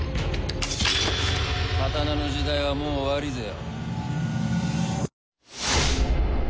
刀の時代はもう終わりぜよ。